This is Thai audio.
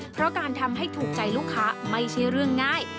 เพราะการทำให้ถูกใจลูกค้าไม่ใช่เรื่องง่าย